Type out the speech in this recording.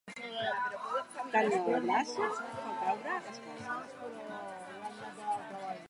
Carn a la brasa fa caure les cases.